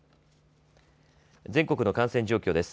全国の感染状況です。